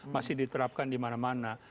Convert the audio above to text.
masih diterapkan di mana mana